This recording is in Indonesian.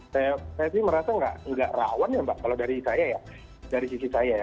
saya sih merasa nggak rawan ya mbak kalau dari sisi saya ya